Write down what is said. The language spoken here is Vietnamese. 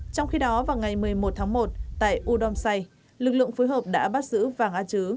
trong khi đó vào ngày một mươi một tháng một tại udomsai lực lượng phối hợp đã bắt giữ vàng a chứ